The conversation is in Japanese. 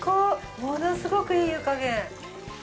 ものすごくいい湯加減。